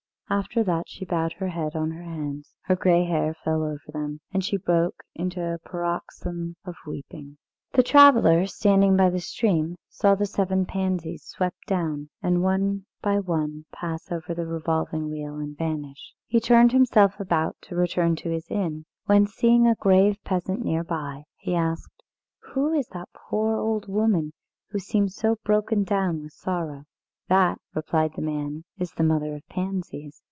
After that she bowed her head on her hands; her grey hair fell over them, and she broke into a paroxysm of weeping. The traveller, standing by the stream, saw the seven pansies swept down, and one by one pass over the revolving wheel and vanish. He turned himself about to return to his inn, when, seeing a grave peasant near, he asked: "Who is that poor old woman who seems so broken down with sorrow?" "That," replied the man, "is the Mother of Pansies."